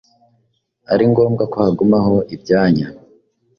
ari ngombwa ko hagumaho ibyanya